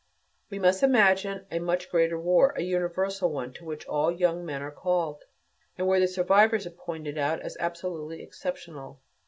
We must imagine a much greater war, a universal one, to which all young men are called, and where the survivors are pointed out as absolutely exceptional.